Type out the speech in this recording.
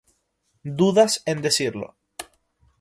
dudas en decirlo